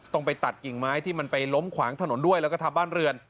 ไปตัดกิ่งไม้ที่มันไปล้มขวางถนนด้วยแล้วก็ทับบ้านเรือน